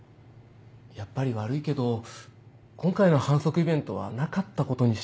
やっぱり悪いけど今回の販促イベントはなかったことにしてくれるかな？